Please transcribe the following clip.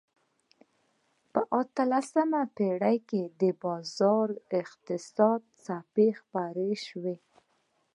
په اتلسمه پېړۍ کې د بازار اقتصاد څپه خپره شوه.